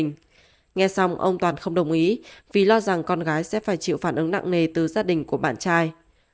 nghe xong ông toàn không đồng ý vì lo rằng con gái sẽ phải chịu phản ứng nặng nề từ gia đình của bạn trai